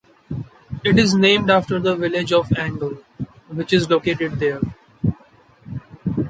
It is named after the village of Angle, which is located there.